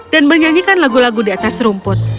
dan menyanyikan lagu lagu di atas rumput